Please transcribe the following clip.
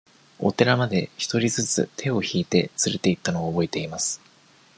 お寺まで、一人ずつ手を引いて連れて行ったのを覚えています。